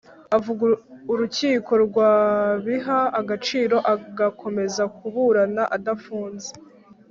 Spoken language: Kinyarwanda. avuga urukiko rwabiha agaciro, agakomeza kuburana adafunze